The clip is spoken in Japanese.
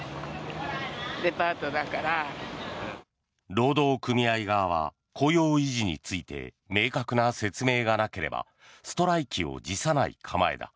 労働組合側は雇用維持について明確な説明がなければストライキを辞さない構えだ。